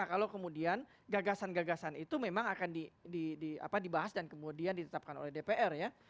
kalau kemudian gagasan gagasan itu memang akan dibahas dan kemudian ditetapkan oleh dpr ya